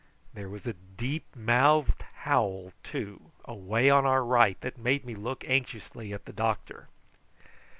There was a deep mouthed howl, too, away on our right that made me look anxiously at the doctor.